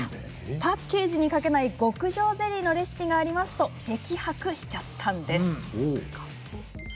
パッケージに書けない極上ゼリーのレシピがありますと激白しちゃったんです。